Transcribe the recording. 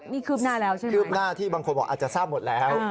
นี่คืบหน้าแล้วใช่ไหมคืบหน้าที่บางคนบอกอาจจะทราบหมดแล้ว